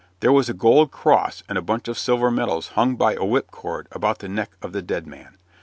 There were a gold cross and a bunch of silver medals hung by a whipcord about the neck of the dead man.